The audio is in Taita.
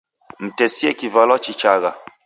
Mtesie kivalwa chichagha.